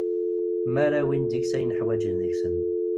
Mi ara awin deg-s ayen uḥwaǧen deg-sen.